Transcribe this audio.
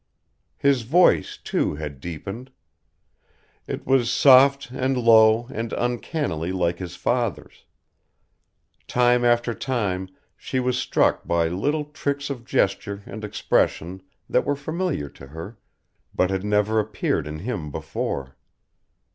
His voice, too, had deepened. It was soft and low and uncannily like his father's. Time after time she was struck by little tricks of gesture and expression that were familiar to her, but had never appeared in him before.